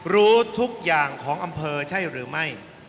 รู้ทุกอย่างของอำเภอใช่หรือไม่